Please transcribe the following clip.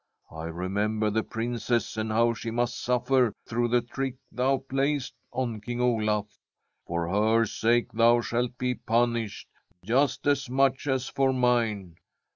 I remember the Princess, and how she must suffer through the trick thou playest on King Olaf. For her sake thou shalt be punished, just as much as for mine.